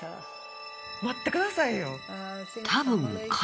待ってくださいよ。